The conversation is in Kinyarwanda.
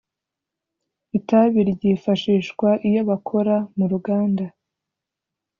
itabi ryifashishwa iyo bakora mu ruganda